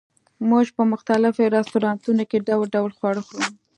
موږ په مختلفو رستورانتونو کې ډول ډول خواړه خورو